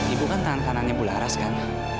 ibu kan tangan kanannya bularas kan